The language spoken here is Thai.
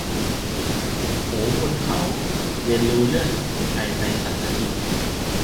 หูคนเขลา : เรียนรู้เรื่องสังคมไทยในสามนาที